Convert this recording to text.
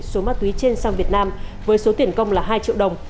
số ma túy trên sang việt nam với số tiền công là hai triệu đồng